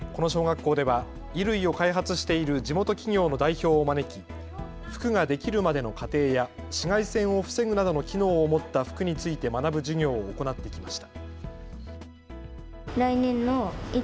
この小学校では衣類を開発している地元企業の代表を招き服ができるまでの過程や紫外線を防ぐなどの機能を持った服について学ぶ授業を行ってきました。